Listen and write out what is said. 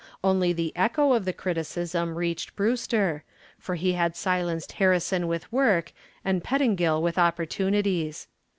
Only the echo of the criticism reached Brewster, for he had silenced Harrison with work and Pettingill with opportunities.